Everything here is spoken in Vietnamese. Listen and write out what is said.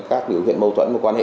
các biểu hiện mâu thuẫn